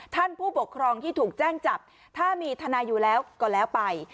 ผู้ปกครองที่ถูกแจ้งจับถ้ามีทนายอยู่แล้วก็แล้วไป